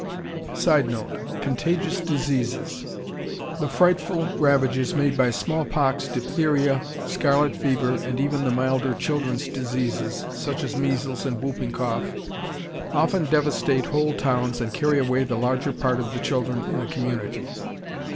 [Sidenote: Contagious diseases.] The frightful ravages made by smallpox, diphtheria, scarlet fever, and even the milder "children's diseases," such as measles and whooping cough, often devastate whole towns and carry away the larger part of the children in a community.